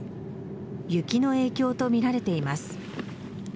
雪の影響とみられています。